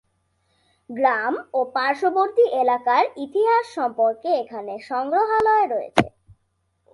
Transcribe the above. গ্রাম ও পার্শ্ববর্তী এলাকার ইতিহাস সম্পর্কে এখানে সংগ্রহালয় রয়েছে।